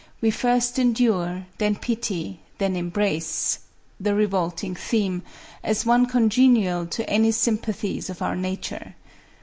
We first endure, then pity, then embrace" — the revolting theme, as one congenial to any sympa thies of our nature.